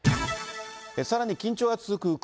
さらに緊張が続く